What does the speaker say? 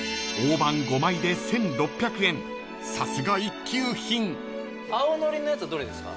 ［さすが一級品］青のりのやつどれですか？